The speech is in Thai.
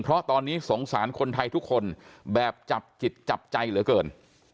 เพราะตอนนี้สงสารคนไทยทุกคนแบบจับจิตจับใจเหลือเกิน